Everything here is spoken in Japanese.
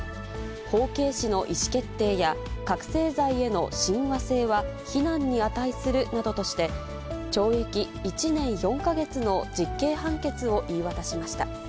法軽視の意思決定や覚醒剤への親和性は非難に値するなどとして、懲役１年４か月の実刑判決を言い渡しました。